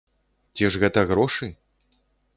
Ці ж гэта грошы?